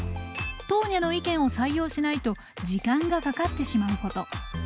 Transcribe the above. トーニャの意見を採用しないと時間がかかってしまうこと。